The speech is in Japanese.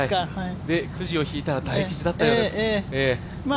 くじを引いたら大吉だったようです。